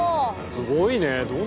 すごいね。